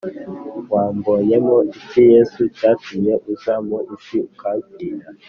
Wambonyemo iki Yesu cyatumye uza mu isi ukampfira